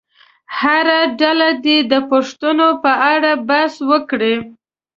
هره ډله دې د پوښتنو په اړه بحث وکړي.